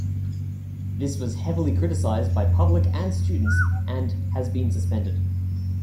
This was heavily criticized by public and students and has been suspended.